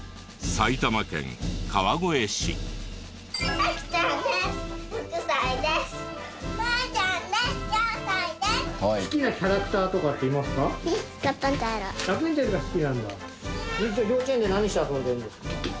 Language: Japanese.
幼稚園で何して遊んでるんですか？